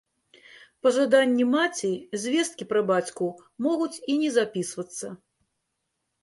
Па жаданні маці звесткі пра бацьку могуць і не запісвацца.